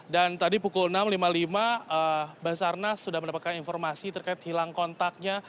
dan tadi pukul enam lima puluh lima basarnas sudah mendapatkan informasi terkait hilang kontaknya